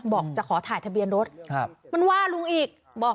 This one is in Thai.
บอกจะขอถ่ายทะเบียนรถมันว่าลุงอีกบอก